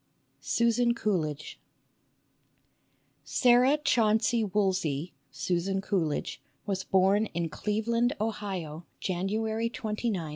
SUSAN COOLIDGE ARAH CHAUNCEY WOOLSEY (Susan Coolidge) was born in Cleveland, Ohio, January 29, 1835.